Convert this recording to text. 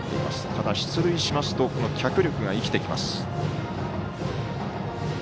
ただ、出塁しますと脚力が生きてきます。